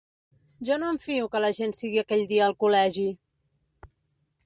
Jo no em fio que la gent sigui aquell dia al col·legi.